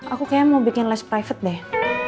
aku kayaknya mau bikin less private deh